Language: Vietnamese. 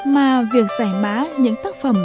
mà việc giải má những tác phẩm